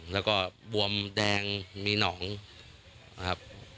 แล้วก็บวมแดงมีหนองนะครับ